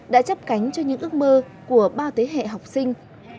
đã chấp cánh cho những ước mơ của bao thế hệ học sinh